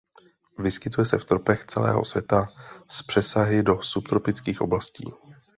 Vyskytuje se v tropech celého světa s přesahy do subtropických oblastí.